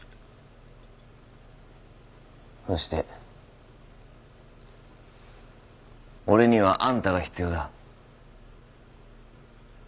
そして俺にはあんたが必要だ。